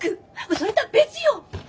それとは別よ！